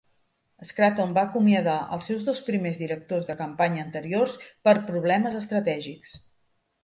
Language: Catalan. Scranton va acomiadar els seus dos primers directors de campanya anteriors per problemes estratègics.